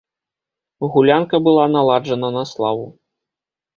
Гулянка была наладжана на славу.